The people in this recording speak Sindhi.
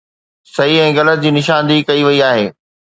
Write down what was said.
صحيح ۽ غلط جي نشاندهي ڪئي وئي آهي